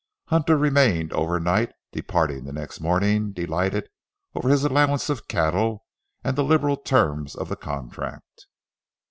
Hunter remained over night, departing the next morning, delighted over his allowance of cattle and the liberal terms of the contract.